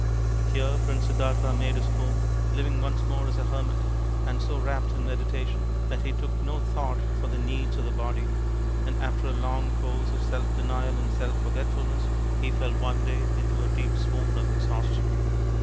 Here Prince Siddartha made his home, living once more as a hermit, and so wrapped in medita tion that he took no thought for the needs of the body ; and after a long course of self denial and self forgetfulness he fell one day into a deep swoon of exhaustion.